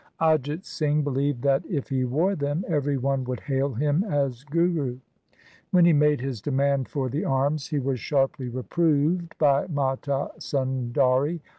Ajit Singh believed that if he wore them, every one would hail him as Guru. When he made his demand for the arms he was sharply reproved by Mata Sundari.